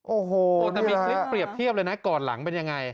โอ้โหแต่มีคลิปเปรียบเทียบเลยนะก่อนหลังเป็นยังไง